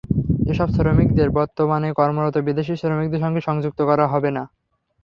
এসব শ্রমিকদের বর্তমানে কর্মরত বিদেশি শ্রমিকদের সঙ্গে সংযুক্ত করা হবে না।